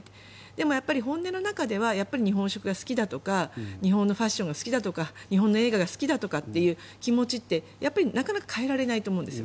でも、本音の中では日本食が好きだとか日本のファッションが好きだとか日本の映画が好きだとかいう気持ちってなかなか変えられないと思うんです。